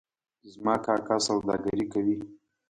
زما کاکا سوداګري کوي